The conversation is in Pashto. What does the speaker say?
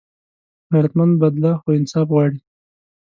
غیرتمند بدله خو انصاف غواړي